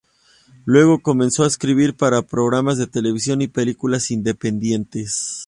Luego comenzó a escribir para programas de televisión y películas independientes.